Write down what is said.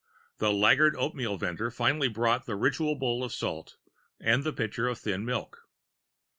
The laggard oatmeal vendor finally brought the ritual bowl of salt and the pitcher of thin milk.